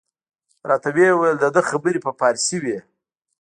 راته ویې ویل د ده خبرې په فارسي وې.